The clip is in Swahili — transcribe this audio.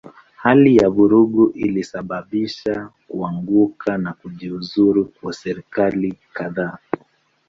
Hali ya vurugu ilisababisha kuanguka au kujiuzulu kwa serikali kadhaa.